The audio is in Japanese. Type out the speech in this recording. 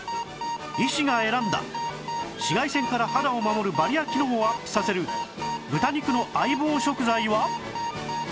医師が選んだ紫外線から肌を守るバリア機能をアップさせる豚肉の相棒食材は？